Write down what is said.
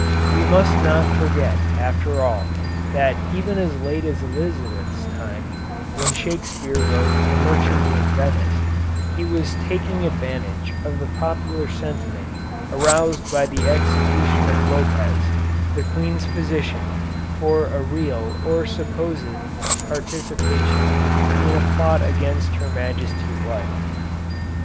We must not forget, after all, that even as late as Elizabeth's time, when Shakespeare wrote "The Merchant of Venice," he was taking advantage of the popular sentiment aroused by the execution of Lopez, the Queen's physician, for a real or supposed participation in a plot against her Majesty's life.